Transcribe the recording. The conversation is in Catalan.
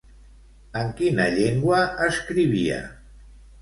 En quina llengua escrivia?